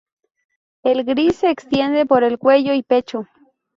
El gris se extiende por el cuello y pecho.